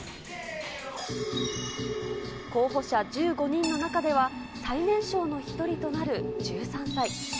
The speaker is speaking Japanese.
候補者１５人の中では、最年少の一人となる１３歳。